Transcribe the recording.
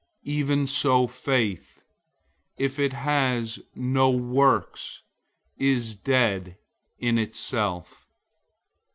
002:017 Even so faith, if it has no works, is dead in itself.